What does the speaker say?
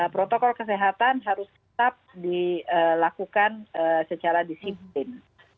protokol kesehatan harus tetap dilakukan secara disiplin